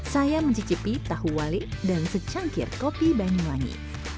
saya mencicipi tahu wali dan secangkir kopi banyuwangi